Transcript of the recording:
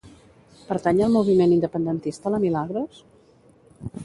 Pertany al moviment independentista la Milagros?